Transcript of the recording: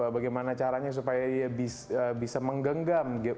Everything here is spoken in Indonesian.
bagaimana caranya supaya bisa menggenggam